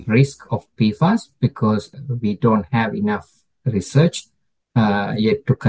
risiko pfas karena kita tidak memiliki penelitian yang cukup